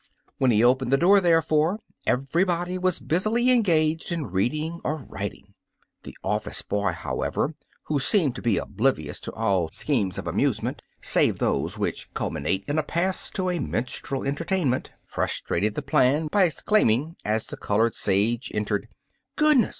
When he opened the door, therefore, everybody was busily engaged in reading or writing. The office boy, however, who 148 Uncle Remus has the Mumps seems to be oblivious to all schemes of amusement save those which culminate in a pass to a minstrel entertainment, frus trated the plan by exclaiming as the colored sage entered: — "Goodness!